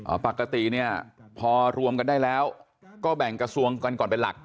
ปกติเนี่ยพอรวมกันได้แล้วก็แบ่งกระทรวงกันก่อนเป็นหลัก